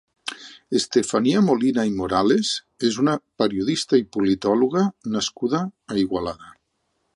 Estefania Molina i Morales és una periodista i politòloga nascuda a Igualada.